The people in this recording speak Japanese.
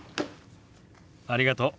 ありがとう。